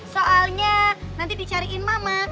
soalnya nanti dicariin mama